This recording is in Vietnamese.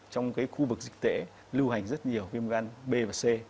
trong khu vực dịch tễ lưu hành rất nhiều viêm gan b và c